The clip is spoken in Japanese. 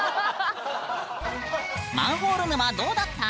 マンホール沼どうだった？